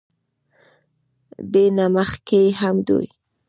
دې نه مخکښې هم دوي